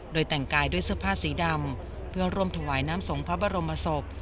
โดยแต่งกายด้วยเสื้อผ้าสีดำเพื่อร่วมถวายน้ำสงพระบรมศพ